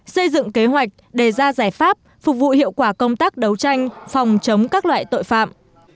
xây dựng kế hoạch đề ra giải pháp phục vụ hiệu quả công tác đấu tranh phòng chống các loại tội phạm